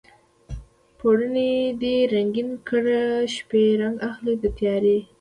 پوړونی دې رنګین کړه شپې رنګ اخلي د تیارې